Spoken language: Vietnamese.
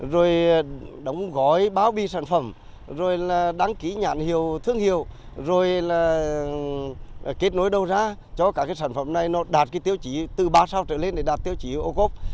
rồi đóng gói báo bi sản phẩm rồi đăng ký nhãn hiệu thương hiệu rồi kết nối đầu ra cho các sản phẩm này đạt tiêu chí từ ba sao trở lên để đạt tiêu chí ô cốc